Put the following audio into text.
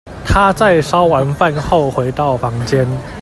她在燒完飯後回到房間